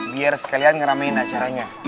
biar sekalian ngeramain acaranya